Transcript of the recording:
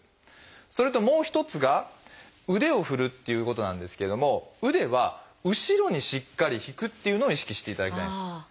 それともう１つが腕を振るっていうことなんですけれども腕は後ろにしっかり引くっていうのを意識していただきたいんです。